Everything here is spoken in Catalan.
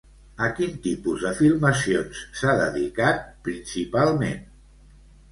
A quin tipus de filmacions s'ha dedicat, principalment?